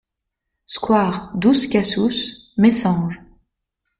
Square Dous Casous, Messanges